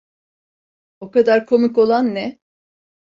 O kadar komik olan ne?